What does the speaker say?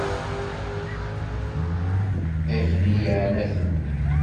Akli yeɛna-ten.